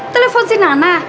telepon si nana